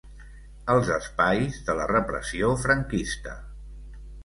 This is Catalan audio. Els espais de la repressió franquista.